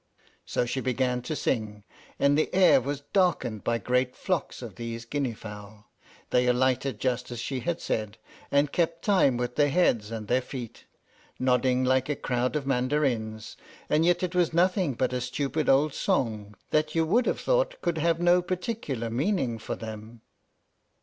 So she began to sing, and the air was darkened by great flocks of these Guinea fowl. They alighted just as she had said, and kept time with their heads and their feet, nodding like a crowd of mandarins; and yet it was nothing but a stupid old song that you would have thought could have no particular meaning for them.